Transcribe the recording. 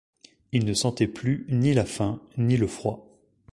Il ne sentait plus ni la faim, ni le froid.